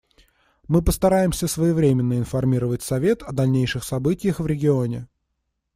Мы постараемся своевременно информировать Совет о дальнейших событиях в регионе.